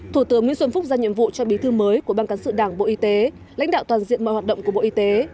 thủ tướng nguyễn xuân phúc ra nhiệm vụ cho bí thư mới của ban cán sự đảng bộ y tế lãnh đạo toàn diện mọi hoạt động của bộ y tế